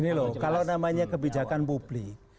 ini namanya kebijakan publik